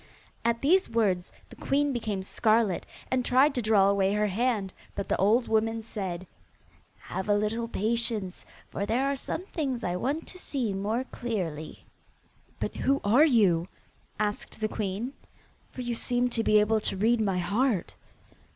At these words the queen became scarlet, and tried to draw away her hand, but the old woman said: 'Have a little patience, for there are some things I want to see more clearly.' 'But who are you?' asked the queen, 'for you seem to be able to read my heart.